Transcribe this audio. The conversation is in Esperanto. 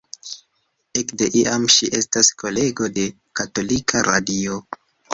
Ekde iam ŝi estas kolego de katolika radio.